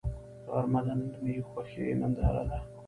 غرمه د دنننۍ خوښۍ ننداره ده